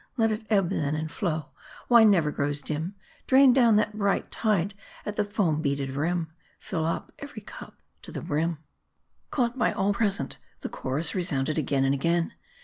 Let it ebb, then, and flow ; wine never grows dim ; Drain down that bright tide at the foam beaded rim : Fill up, every cup, to the brim ! Caught by all present, the chorus resounded again and again.